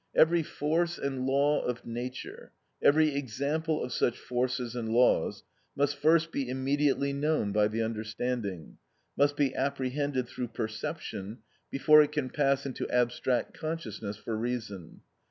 Every force and law of nature, every example of such forces and laws, must first be immediately known by the understanding, must be apprehended through perception before it can pass into abstract consciousness for reason.